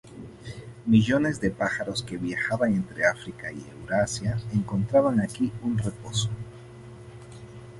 Millones de pájaros que viajaban entre África y Eurasia encontraban aquí un reposo.